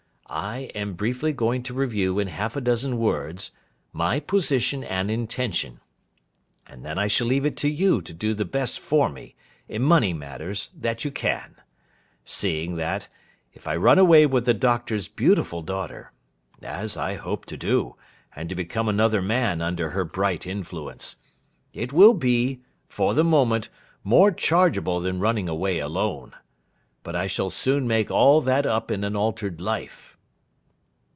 I am briefly going to review in half a dozen words, my position and intention, and then I shall leave it to you to do the best for me, in money matters, that you can: seeing, that, if I run away with the Doctor's beautiful daughter (as I hope to do, and to become another man under her bright influence), it will be, for the moment, more chargeable than running away alone. But I shall soon make all that up in an altered life.